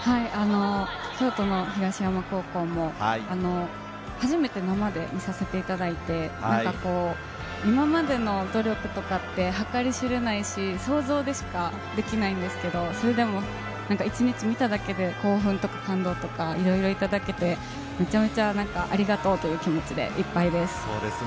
京都の東山高校も初めて生で見させていただいて、今までの努力とかって計り知れないし、想像でしかできないんですけど、それでも１日見ただけで興奮とか感動とか、いろいろいただけて、めちゃめちゃありがとうという気持ちでいっぱいです。